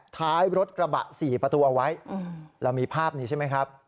ท้ายรถกระบะ๔ประตูเอาไว้เรามีภาพนี้ใช่ไหมครับ